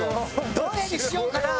どれにしようかな。